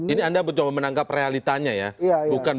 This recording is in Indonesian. ini anda mencoba menangkap realitanya ya